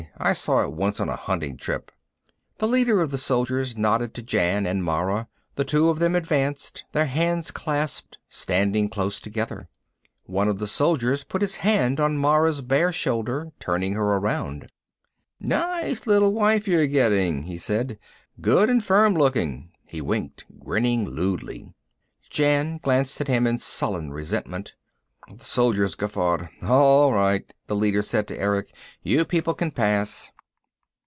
I saw it once on a hunting trip." The leader of the soldiers nodded to Jan and Mara. The two of them advanced, their hands clasped, standing close together. One of the soldiers put his hand on Mara's bare shoulder, turning her around. "Nice little wife you're getting," he said. "Good and firm looking." He winked, grinning lewdly. Jan glanced at him in sullen resentment. The soldiers guffawed. "All right," the leader said to Erick. "You people can pass."